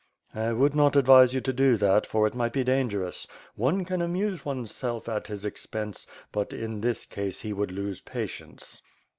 "I would not advise you to do that, for it might be danger ous. One can amuse oneself at his expense, but in this case he would lose patience."